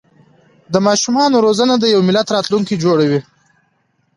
د ماشومانو روزنه د یو ملت راتلونکی جوړوي.